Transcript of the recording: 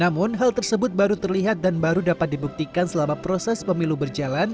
namun hal tersebut baru terlihat dan baru dapat dibuktikan selama proses pemilu berjalan